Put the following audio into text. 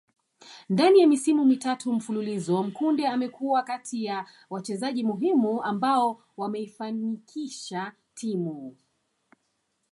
Ndani ya misimu mitatu mfululizo Mkude amekuwa kati ya wachezaji muhimu ambao wameifanikisha timu